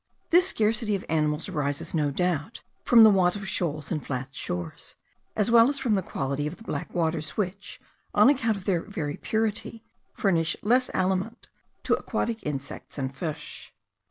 This scarcity of animals arises, no doubt, from the want of shoals and flat shores, as well as from the quality of the black waters, which (on account of their very purity) furnish less aliment to aquatic insects and fish.